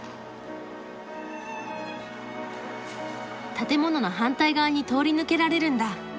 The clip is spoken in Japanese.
建物の反対側に通り抜けられるんだ。